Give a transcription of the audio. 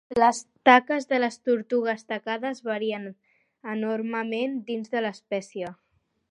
Les taques de les tortugues tacades varien enormement dins de l'espècie.